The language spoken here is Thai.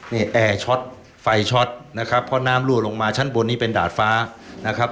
นี่แอร์ช็อตไฟช็อตนะครับเพราะน้ำรั่วลงมาชั้นบนนี้เป็นดาดฟ้านะครับ